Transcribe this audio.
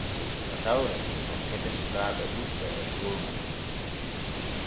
Tatawre hokkete sukaaɓe ɗuuɓɓe e gooŋa.